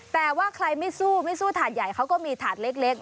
แต่ว่าใครไม่สู้ไม่สู้ถาดใหญ่เขาก็มีถาดเล็ก